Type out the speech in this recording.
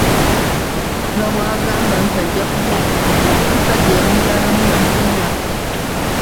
Nga bw’agamba nti ajja kuzaala omulala n’omusajja eyamuzaalamu yamukoowa dda.